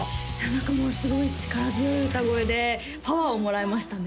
何かもうすごい力強い歌声でパワーをもらいましたね